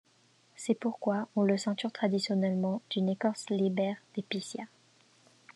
C'est pourquoi on le ceinture traditionnellement d'une écorce liber d'épicéa.